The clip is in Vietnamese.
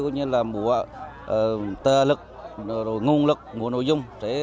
như là mùa tờ lực nguồn lực mùa nội dung để thực hiện cái nội dung này